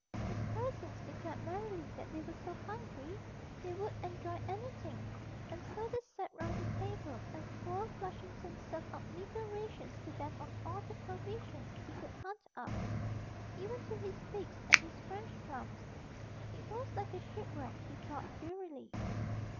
His cousins declared merrily that they were so hungry they would enjoy anything, and so they sat round the table and poor Flushington served out meagre rations to them of all the provisions he could hunt up, even to his figs and his French plums. It was like a shipwreck, he thought drearily.